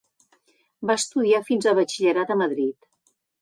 Va estudiar fins a batxillerat a Madrid.